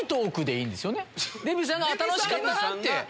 デヴィさんが「楽しかったな」って。